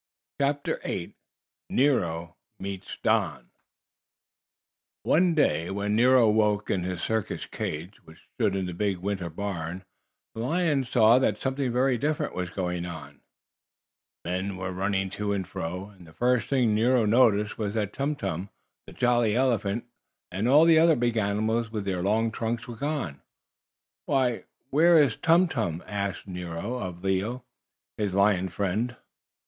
CHAPTER VIII NERO MEETS DON One day when Nero awoke in his circus cage, which stood in the big winter barn, the lion saw that something very different was going on from what had happened since he had been brought there from the jungle. Men were running to and fro, and the first thing Nero noticed was that Tum Tum, the jolly elephant, and all the other big animals with the long trunks were gone. "Why, where is Tum Tum?" asked Nero of Leo, his lion friend.